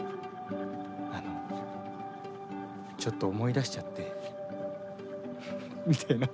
あのちょっと思い出しちゃってみたいな。